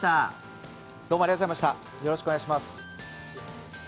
よろしくお願いします。